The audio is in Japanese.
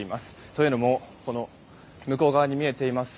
というのも向こう側に見えています